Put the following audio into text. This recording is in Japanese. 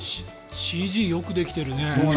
ＣＧよくできてるね。